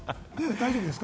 大丈夫ですか？